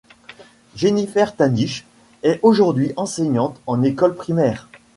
Jennifer Thanisch est aujourd'hui enseignante en école primaire.